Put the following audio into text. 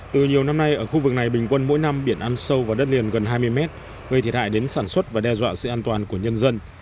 từ nhiều năm nay ở khu vực này bình quân mỗi năm biển ăn sâu vào đất liền gần hai mươi mét gây thiệt hại đến sản xuất và đe dọa sự an toàn của nhân dân